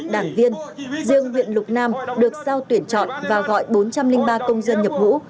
một mươi một đảng viên riêng huyện lục nam được giao tuyển chọn và gọi bốn trăm linh ba công dân nhập vũ